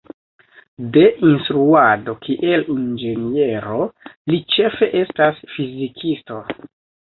De instruado kiel inĝeniero, li ĉefe estas fizikisto.